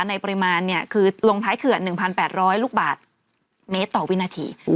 ในปริมาณคือลงท้ายเขื่อน๑๘๐๐ลูกบาทเมตรต่อวินาที